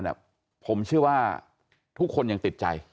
รองพยาบาลผมเชื่อว่าทุกคนยังติดใจ